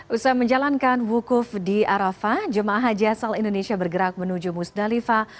usai menjalankan wukuf di arafah jemaah haji asal indonesia bergerak menuju musdalifah